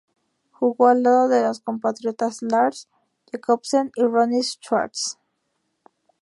Jugó al lado de sus compatriotas Lars Jacobsen y Ronnie Schwartz.